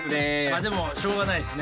でもしょうがないですね。